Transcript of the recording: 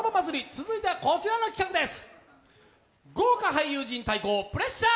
続いては、こちらの企画です。